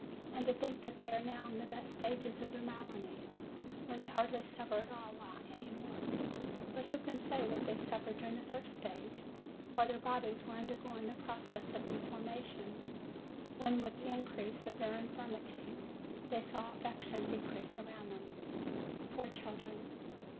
And to think that they are now in the best stage of their malady, when they hardly suffer at all any more! But who can say what they suffered during the first stage, while their bodies were undergoing the process of deformation, when with the increase of their infirmity, they saw affection decrease around them, poor children!